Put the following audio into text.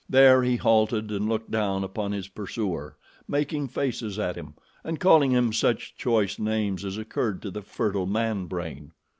There he halted and looked down upon his pursuer, making faces at him and calling him such choice names as occurred to the fertile man brain.